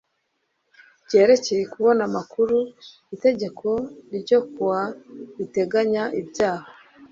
ryerekeye kubona amakuru Itegeko n ryo ku wa riteganya ibyaha